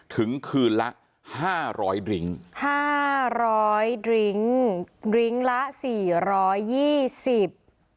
ถึงคืนละห้าร้อยลิ้งห้าร้อยลิ้งลิ้งละสี่ร้อยยี่สิบ